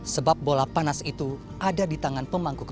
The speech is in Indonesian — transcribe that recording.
sebab bola panas itu ada di tangan pemangku kepentingan